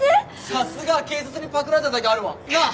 さすが警察にパクられただけあるわ。なあ？